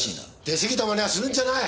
出すぎたマネはするんじゃない！